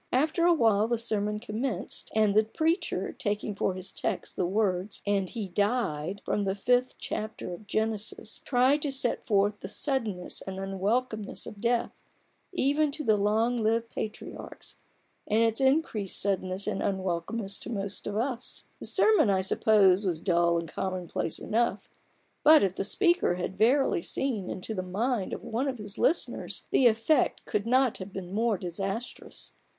After a while the sermon commenced, and the preacher, taking for his text the words; "And he died" from the fifth chapter of Genesis, tried to set forth the suddenness and unwel comeness of death, even to the long lived patriarchs, and its increased suddenness and 40 A BOOK OF BARGAINS. unwelcomeness to most of us. The sermon I suppose, was dull and commonplace enough, but if the speaker had verily seen into the mind of one of his listeners, the effect could not have been more disastrous.